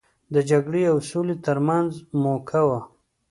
د جګړې او سولې ترمنځ موکه وه.